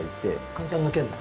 簡単に抜けんの？